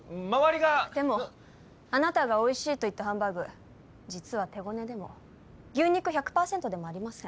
でもあなたがおいしいと言ったハンバーグ実は手ごねでも牛肉１００％でもありません。